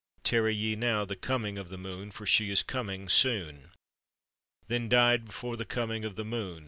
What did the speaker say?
Tarry ye now the coming of the moon, For she is coming soon"; Then died before the coming of the moon.